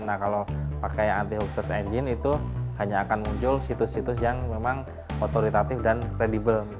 karena kalau pakai anti hoax search engine itu hanya akan muncul situs situs yang memang otoritatif dan readable